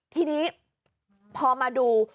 ทีนี้พอมาดู